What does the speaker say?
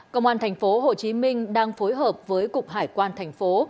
công an thành phố hồ chí minh đang phối hợp với cục hải quan thành phố